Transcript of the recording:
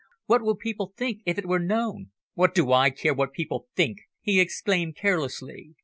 What would people think if it were known?" "What do I care what people think!" he exclaimed carelessly.